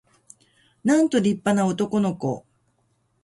なんと立派な男の子